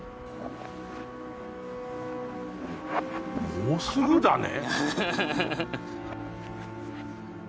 「もうすぐだね」？